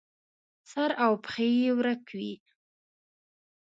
سر او پښې یې ورک وي.